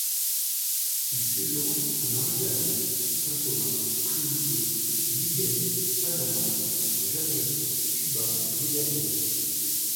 Il séjourne à Marie-Galante, Saint-Thomas, Trinité, Guyenne, Panama, La Jamaïque, Cuba, et Les Bermudes.